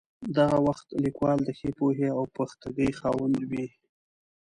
دغه وخت لیکوال د ښې پوهې او پختګۍ خاوند وي.